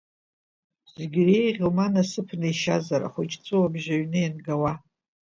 Зегьы иреиӷьу ма насыԥны ишьазар, ахәыҷ ҵәуабжь аҩны иангауа?